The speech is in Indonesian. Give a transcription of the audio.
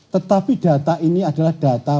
tetapi data ini adalah data